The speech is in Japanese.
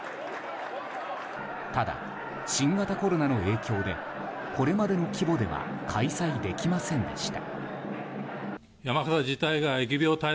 ただ、新型コロナの影響でこれまでの規模では開催できませんでした。